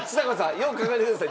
よく考えてください。